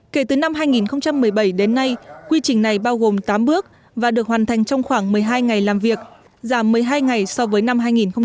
kể từ năm hai nghìn một mươi bảy đến nay quy trình này bao gồm tám bước và được hoàn thành trong khoảng một mươi hai ngày làm việc giảm một mươi hai ngày so với năm hai nghìn một mươi